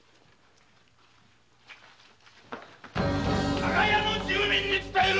長屋の住人に伝える！